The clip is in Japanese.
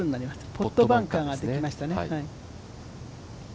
ポットバンカーができましたね。